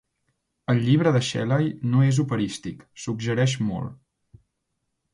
El llibre de Shelley no és operístic, suggereix molt.